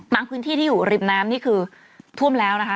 พื้นที่ที่อยู่ริมน้ำนี่คือท่วมแล้วนะคะ